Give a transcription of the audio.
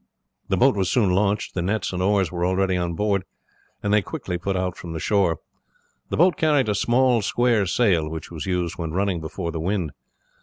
The boat was soon launched, the nets and oars were already on board, and they quickly put out from the shore. The boat carried a small square sail, which was used when running before the wind.